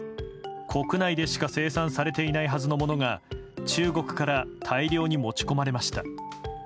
国内でしか生産されていないはずのものが中国から大量に持ち込まれました。